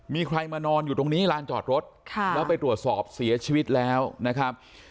มีใครมานอนอยู่ตรงนี้ลานจอดรถแล้วไปตรวจสอบเสียชีวิตแล้วนะครับ